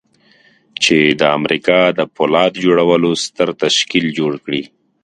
چې د امريکا د پولاد جوړولو ستر تشکيل جوړ کړي.